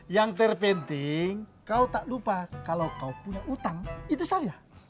yang terpenting kau tak lupa kalau kau punya utang itu saya